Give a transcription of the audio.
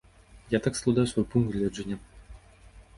Я так складаю свой пункт гледжання.